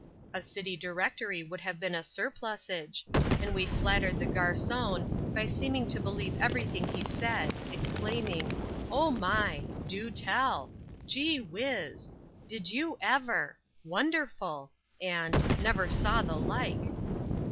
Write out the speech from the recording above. A city directory would have been a surplusage, and we flattered the "garcon" by seeming to believe everything he said, exclaiming "Oh my!" "Do tell!" "Gee whizz!" "Did you ever!" "Wonderful!" and "Never saw the like!"